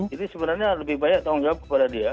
ini sebenarnya lebih banyak tanggung jawab kepada dia